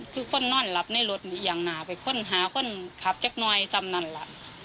คืิคนนั่นหลับในรถเนี่ยยังไหนไปค่อนหาคนขับเจ๊ด้วยซะมันล่ะ